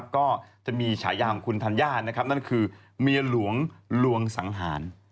ก็จะมีฉายาของคุณธัญญานั่นคือเมียหลวงลวงสังหาร